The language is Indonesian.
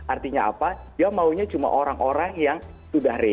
artinya apa dia maunya cuma orang orang yang sudah real